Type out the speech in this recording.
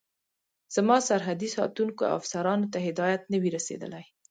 زما سرحدي ساتونکو او افسرانو ته هدایت نه وي رسېدلی.